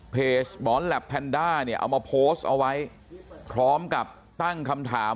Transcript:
หมอนแลปแพนด้าเนี่ยเอามาโพสต์เอาไว้พร้อมกับตั้งคำถาม